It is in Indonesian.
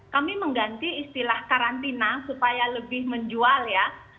kami mengganti istilah karantina supaya lebih menjual ya